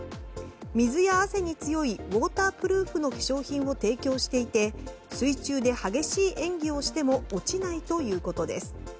水や汗に強いウォータープルーフの化粧品を提供していて水中で激しい演技をしても落ちないということです。